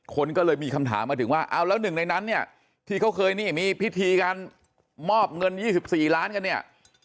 คนก็เลยมีคำถามมาถึงว่าเอาแล้วหนึ่งในนั้นเนี่ยที่เขาเคยนี่มีพิธีการมอบเงิน๒๔ล้านกันเนี่ย